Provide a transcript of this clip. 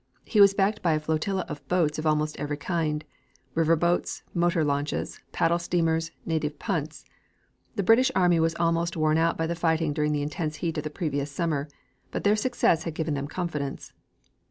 He was backed by a flotilla of boats of almost every kind, river boats, motor launches, paddle steamers, native punts. The British army was almost worn out by the fighting during the intense heat of the previous summer. But their success had given them confidence.